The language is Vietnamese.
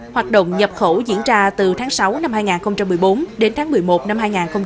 hoạt động nhập khẩu diễn ra từ tháng sáu năm hai nghìn một mươi bốn đến tháng một mươi một năm hai nghìn một mươi tám